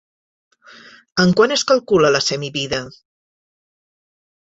En quant es calcula la semivida?